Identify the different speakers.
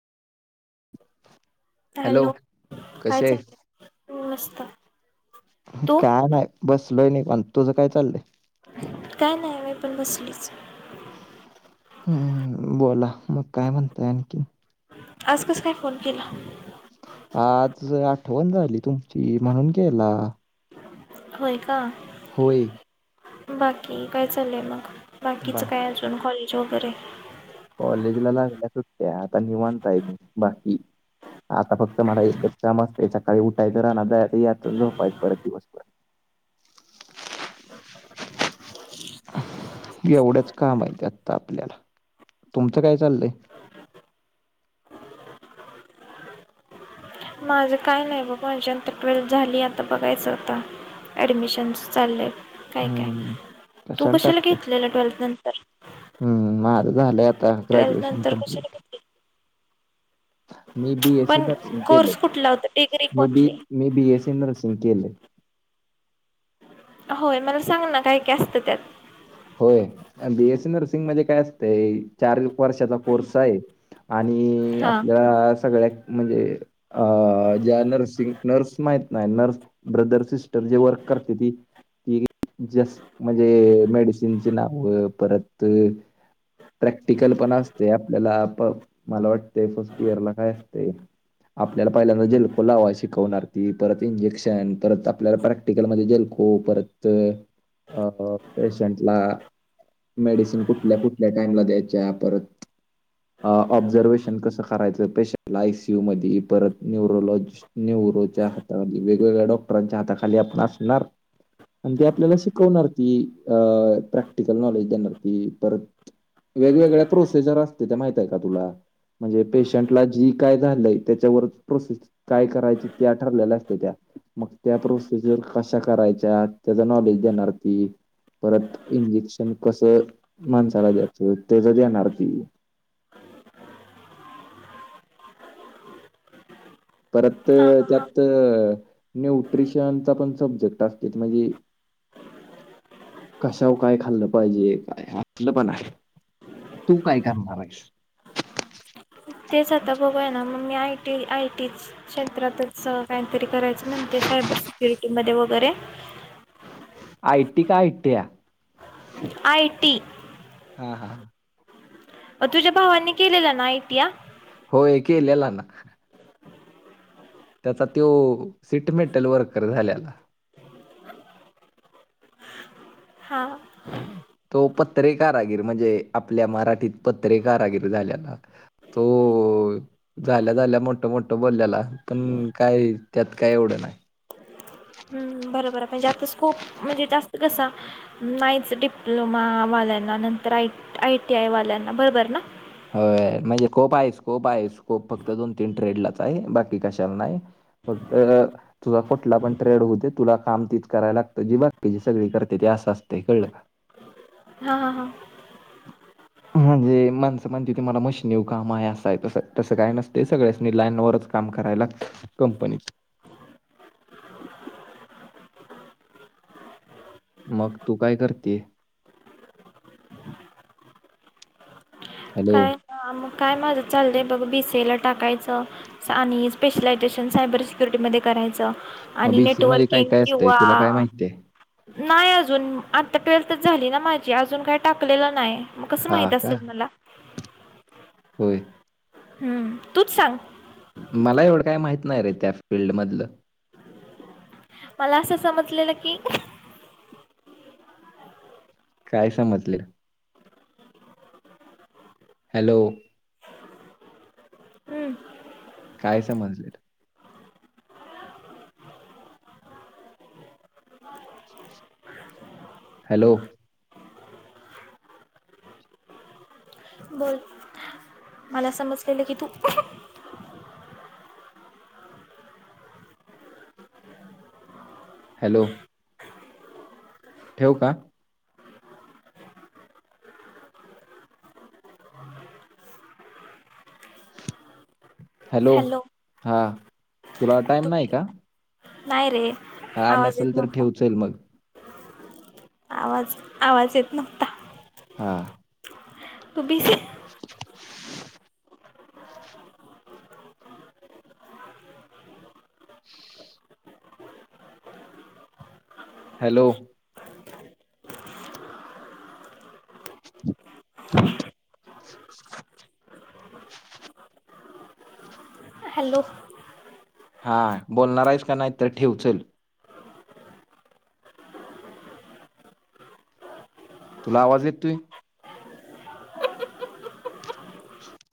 Speaker 1: Hello काय
Speaker 2: कशी
Speaker 1: चाल नस् कत्ता
Speaker 2: का नाही बस नाही नाही पण तुझं काय चाललंय
Speaker 1: काय नाय मी पण बसलीच हे
Speaker 2: हम्म बोला मग काय म्हणताय आणखी
Speaker 1: आज कस काय फोन केला?
Speaker 2: आज आठवण झाली तुमची म्हणून केला
Speaker 1: होय का
Speaker 2: होय
Speaker 1: बाकी काय चाललंय मग? बाकीचं
Speaker 2: बा
Speaker 1: काय अजून कॉलेज जो बर आहे
Speaker 2: कॉलेजला लागल्या सुट्ट्या आता निवांत आहे मी बाकी आता फक्त मला एकच काम असत सकाळी उठायचं रानात जायचं याच झोपाय परत दिवसभर एवढ्याच काम आहेित आता आपल्याला तुमचं काय चाललंय
Speaker 1: माझं काय नाही बाबा याच्यानंतर ट्वेल्थ झाली आता बघायचं होता ऍडमिशन्स चाललेय काय काय
Speaker 2: हम्म
Speaker 1: तू कशाला घेतलेलं ट्वेल्थ नंतर?
Speaker 2: झालय आता
Speaker 1: ट्वेल्थ
Speaker 2: ग्रॅजुएशन
Speaker 1: नंतर कशाला
Speaker 2: कंप्लीट
Speaker 1: घेतली
Speaker 2: [unintelligible] मी बीएसी
Speaker 1: पण
Speaker 2: नर्सिंग केलंय
Speaker 1: कोर्स कुठला होता डिग्री
Speaker 2: मी बी
Speaker 1: कोठली
Speaker 2: मी बीएसी नर्स सं केले
Speaker 1: होय मला सांग ना काय काय असतं त्यात
Speaker 2: होय बीएससी नर्सिंग म काय असतं चार वर्षाचा कोर्स आहे आणि
Speaker 1: हां
Speaker 2: आपल्या सगळ्या म्हणजे ज्या नर्सिंग नर्स माहित नाही नर्स ब्रदर सिस्टर जे वर्क करते त म्हणजे मेड त्यांची नाव परत प्रॅक्टिकल पण असते आपल्याला मला वाटते फस्ट इयर ला काय असते आपल्याला पहिल्यांदा जेलको लावा शिकवणारी परत इंजेक्शन परत आपल्याला प्रॅक्टिकल मध्ये जेलको परत अ पेशंटला मेडिसिन कुठल्या कुठल्या टाइमला द्यायच्या परत ऑब्झर्वेशन कसं करायचं पेशंटला आयसीयू मध्ये परत न्युरोलॉजिस्ट न्युरोच्या हातामध्ये वेगवेगळ्या डॉक्टरांच्या हाताखाली आपण असणार आणि ते आपल्याला शिकवणार की अ प्रॅक्टिकल नॉलेज देणार ती परत वेगवेगळ्या प्रोसेजर असते त्या माहित आहे का तुला म्हणजे पेशंटला जी काय झालंय त्याच्यावर प्रोसेस काय करायची त्या ठरलेल्या असते त्या मग त्या प्रोसेजर कशा करायच्या त्याचा नॉलेज देणार ती परत इंजेक्शन कसं माणसाला द्यायचं त्याच देणार ती परत
Speaker 1: हां हां
Speaker 2: त्यात न्यूट्रिशनचा पण सब्जेक्ट असत म्हणजे कशावर काय खाल्लं पाहिजे काय असलं पण आहे तू काय करणार आहेस
Speaker 1: तेच आता बघूय ना मग मी आयटी आयटी क्षेत्रातच तरी करायचं ते सायबर सिक्युरिटी मध्ये वगैरे
Speaker 2: आय टी का I T I
Speaker 1: I T
Speaker 2: हा हा ह
Speaker 1: तुझ्या भावांनी केलेलं ना आय टी आय?
Speaker 2: होय केलेल ना त्याचा तो सिटमेटल वर्कर झाल्याला
Speaker 1: हा
Speaker 2: तो पत्रे कारागीर म्हणजे आपल्या मराठीत पत्रेकारागीर झाल्याला तो झाल्या झाल्या मोठ मोठं बोलल्याला पण काय त्यात काय एवढं नाही
Speaker 1: बरोबर म्हणजे आता स्कोप म्हणजे जास्त कसा नाहीच डिप्लोमा वाल्यांना नंतर आय आय टी आय वाल्यांना बरोबर ना?
Speaker 2: होय म्हणजे खूप आहे स्कोप आहे स्कोप फक्त दोन तीन ट्रेडलाच आहे बाकी कशाला नाही फक्त तुझा कुठला पण ट्रेड होते तुला काम तीच करायला लागत जी बाकी ज सगळी करते ती असं असते कळलं का
Speaker 1: हां हां हां
Speaker 2: म्हणजे ते म्हणते की मला मशनीव काम आहे असाय तस तसं काय नसते सगळ्यासनी लाईन वरच काम करायला कंपनीत मग तू काय करतीय?
Speaker 1: काय अ म काय माझ चालय बघ, बीसीए ला टाकायचं आणि स्पेशलायझेशन सायबर सिक्युरिटीमध्ये करायचं.
Speaker 2: मग
Speaker 1: आणि
Speaker 2: बीसीए मध्ये काय
Speaker 1: नेटवर्किंग
Speaker 2: काय असतंय?
Speaker 1: किंवा
Speaker 2: तुला काय माहिती आहे?
Speaker 1: नाही अजून आता ट्वेल्थच झाली ना माझी अजून काही टाकलेलं नाही. मग कसं माहित असेल मला
Speaker 2: हो
Speaker 1: हम्म तूच सांग
Speaker 2: मला एवढं काही माहित नाही रे त्या फीलल्डमधलं
Speaker 1: मला असं समजलेलं की,
Speaker 2: काय समजले? हॅलो
Speaker 1: हम्म
Speaker 2: काय समजले,
Speaker 1: [unintelligible]
Speaker 2: हॅलो
Speaker 1: बोल मला समजलेलं की तू,
Speaker 2: हॅलो ठेवू का, हॅलो, हा तुला टाइम नाही का?
Speaker 1: नाहीय रे
Speaker 2: हा
Speaker 1: आवाज
Speaker 2: नसेल
Speaker 1: येत
Speaker 2: तर
Speaker 1: नव्हता
Speaker 2: ठेव चल मग,
Speaker 1: आवाज आवाज येत नव्हता.
Speaker 2: हा
Speaker 1: तू बीजी
Speaker 2: [unintelligible] हॅलो, [unintelligible]
Speaker 1: हॅलो,
Speaker 2: हा बोलणार आहेस का नाही तर ठेव चल तुला आवाज येतोय.